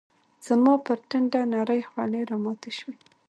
زما پر ټنډه نرۍ خولې راماتي شوې